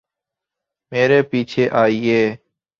میرے پیچھے آییے